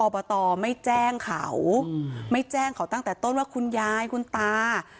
อปะตอไม่แจ้งเขาไม่แจ้งเขาจากต้นว่าคุณยายคุณตา